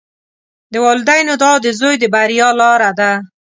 د والدینو دعا د زوی د بریا لاره ده.